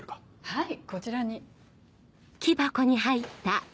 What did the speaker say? はいこちらに。